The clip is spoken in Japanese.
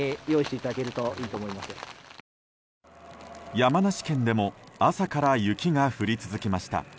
山梨県でも朝から雪が降り続きました。